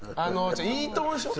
「いいとも！」でしょ。